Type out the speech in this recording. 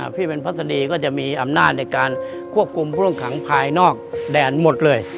ที่เป็นพัศดีก็จะมีอำนาจในการควบคุมผู้ต้องขังภายนอกแดนหมดเลย